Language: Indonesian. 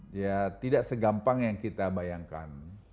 ya tidak segampang yang kita bayangkan